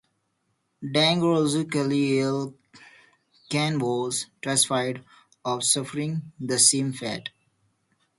Dangerously ill, Caine was terrified of suffering the same fate.